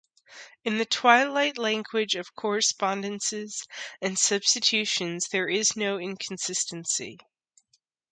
In the twilight language of correspondences and substitutions there is no inconsistency.